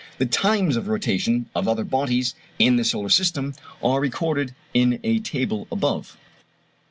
The times of rotation of other bodies in the solar system are recorded in a table above.